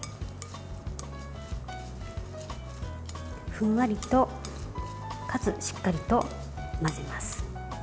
ふんわりと、かつしっかりと混ぜます。